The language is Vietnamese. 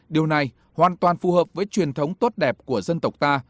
điều này hoàn toàn phù hợp với truyền thống tốt đẹp của dân tộc ta